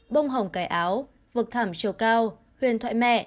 bông hồng cải áo vực thảm triều cao huyền thoại mẹ